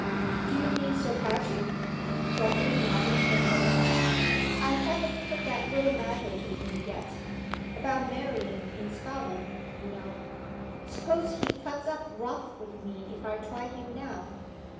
"Do you mean Sir Patrick?" Geoffrey nodded, and went on. "I haven't put that little matter to him yet about marrying in Scotland, you know. Suppose he cuts up rough with me if I try him now?"